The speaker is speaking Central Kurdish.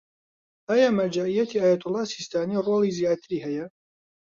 ئایا مەرجەعیەتی ئایەتوڵا سیستانی ڕۆڵی زیاتری هەیە؟